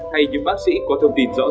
hay những bác sĩ có thông tin rõ ràng